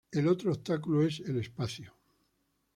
El otro obstáculo es el espacio.